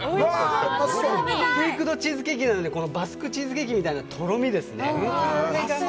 ベイクドチーズケーキなのでバスクチーズケーキみたいなとろみですね。